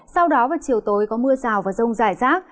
sau đó vào chiều tối có mưa rào và rông rải rác